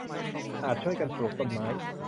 อาจช่วยกันปลูกต้นไม้